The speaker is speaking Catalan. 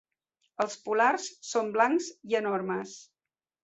Els polars són blancs i enormes.